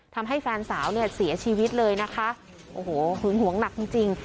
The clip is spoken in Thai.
แฟนสาวเนี่ยเสียชีวิตเลยนะคะโอ้โหหึงหวงหนักจริงจริง